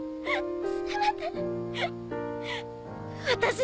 あっ。